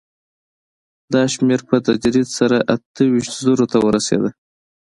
دا شمېر په تدریج سره اته ویشت زرو ته ورسېد